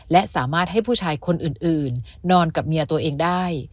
และสามารถให้ผู้ชายคนอื่นนอนกับเมียตัวเองได้